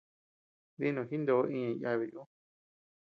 Dinó jindo iña jiyabiy ú.